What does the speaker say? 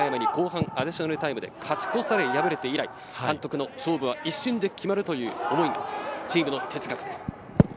久我山に後半アディショナルタイムで勝ち越され敗れて以来、監督の勝負は一瞬で決まるという思い、チームの哲学です。